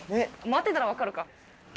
回ってたら分かるか。